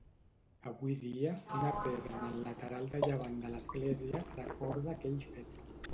Avui dia una pedra en el lateral de llevant de l'església recorda aquell fet.